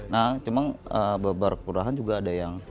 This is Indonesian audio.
nah cuma beberapa kelurahan juga ada yang